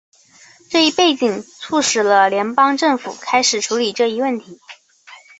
这一背景促使了联邦政府开始处理这一问题。